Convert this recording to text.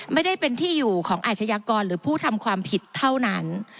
ไม่ได้เป็นที่อยู่ของอาชญากรหรือผู้ทำความผิดเท่านั้น